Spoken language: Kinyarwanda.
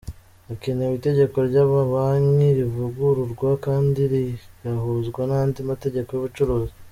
Hakenewe itegeko ry’amabanki rivugururwa kandi rigahuzwa n’andi mategeko y’ubucuruzi.